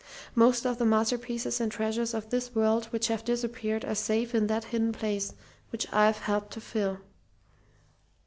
Most of the masterpieces and treasures of this world which have disappeared are safe in that hidden place, which I've helped to fill.